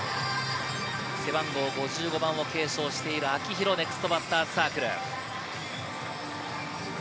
背番号５５番を継承している秋広、ネクストバッターズサークル。